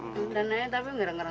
ngeri ngeri tapi ngeri ngeri